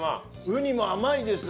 ウニも甘いです。